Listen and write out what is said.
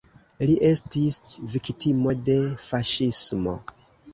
Li estis viktimo de faŝismo.